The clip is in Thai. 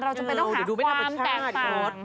เราจะไปต้องหาความแต่งปาก